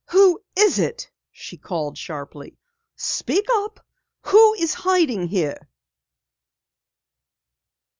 "Who is it?" she called sharply. "Speak up! Who is hiding here?"